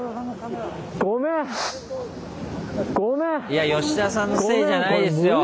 いやヨシダさんのせいじゃないですよ。